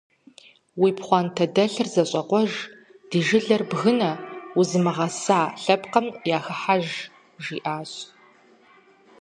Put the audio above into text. - Уи пхъуантэдэлъыр зэщӀэкъуэж, ди жылэр бгынэ, узымыгъэса лъэпкъым яхыхьэж, - жиӏащ.